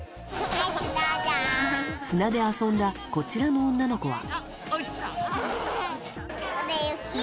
砂で遊んだこちらの女の子は。